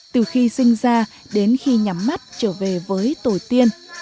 từ khi sinh ra đến khi nhắm mắt trở về với tổ tiên